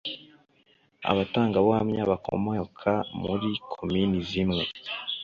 Abatangabuhamya bakomoka muri Komini zimwe